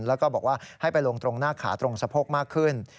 แล้วก็บอกว่าให้ไปลงตรงหน้าขาตรงสะโพกมากขึ้น